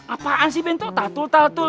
apaan si bento tak tul tak tul